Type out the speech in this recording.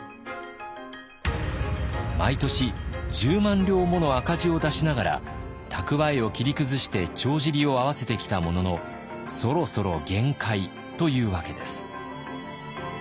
毎年１０万両もの赤字を出しながら蓄えを切り崩して帳尻を合わせてきたもののそろそろ限界というわけです。